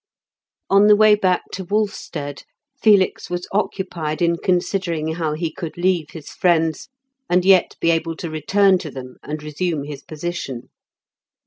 On the way back to Wolfstead Felix was occupied in considering how he could leave his friends, and yet be able to return to them and resume his position.